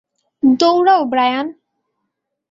দৌড়াও, ব্রায়ান!